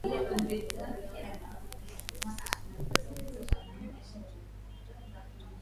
walipigana dhidi ya mabosi wao wa Revolutionary United Front